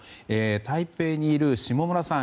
台北にいる下村さん